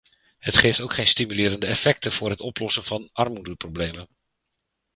Het geeft ook geen stimulerende effecten voor het oplossen van armoedeproblemen.